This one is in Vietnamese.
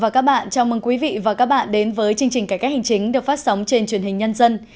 chào mừng quý vị và các bạn đến với chương trình cải cách hành chính được phát sóng trên truyền hình nhân dân